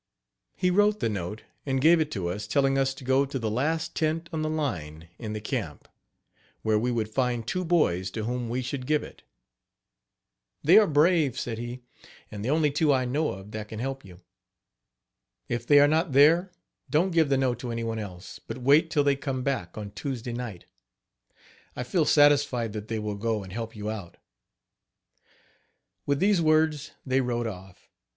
He wrote the note, and gave it to us, telling us to go to the last tent on the line in the camp, where we would find two boys to whom we should give it. "They are brave," said he, "and the only two I know of that can help you. If they are not there don't give the note to any one else, but wait till they come back, on Tuesday night. I feel satisfied that they will go and help you out." With these words, they rode off.